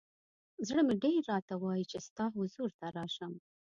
ز ړه مې ډېر راته وایی چې ستا حضور ته راشم.